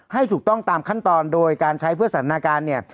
ให้ถูกต้องตามขั้นตอนโดยการใช้เพื่อสันนาการเนี่ย